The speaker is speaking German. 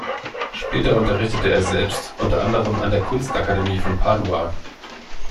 Später unterrichtete er selbst; unter anderem an der Kunstakademie von Padua.